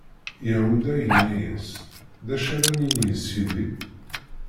Yahuda yenna-yas: D acu ara nini i sidi?